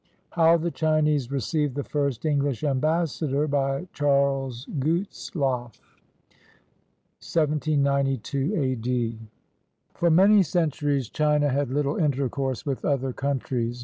HOW THE CHINESE RECEIVED THE FIRST ENGLISH AMBASSADOR BY CHARLES GUTZLAFF [1792 A.D.] [For many centuries China had little intercourse with other countries.